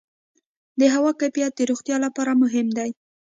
د هوا کیفیت د روغتیا لپاره مهم دی.